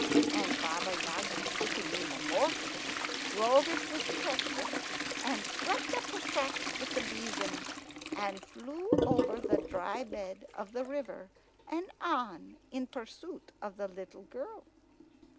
And Baba Yaga, sitting in the mortar, drove it with the pestle, and swept up her tracks with the besom, and flew over the dry bed of the river and on in pursuit of the little girl.